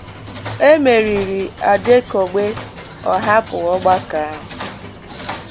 E meriri Adekogbe, ọ hapụ ọgbakọ ahụ.